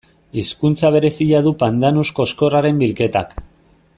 Hizkuntza berezia du pandanus koxkorraren bilketak.